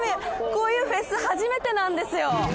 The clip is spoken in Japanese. こういうフェス初めてなんですよ